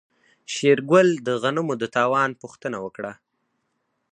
شېرګل د غنمو د تاوان پوښتنه وکړه.